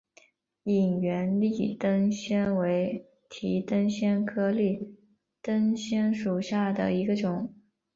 隐缘立灯藓为提灯藓科立灯藓属下的一个种。